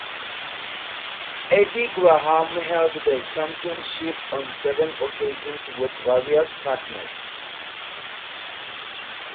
Eddie Graham held the championship on seven occasions with various partners.